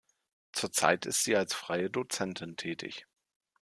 Zurzeit ist sie als freie Dozentin tätig.